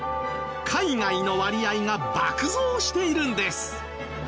海外の割合が爆増しているんです。